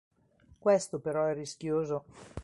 Questo però è rischioso.